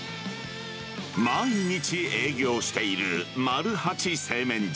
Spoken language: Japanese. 毎日営業している丸八製麺所。